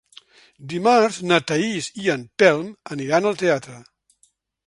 Dimarts na Thaís i en Telm aniran al teatre.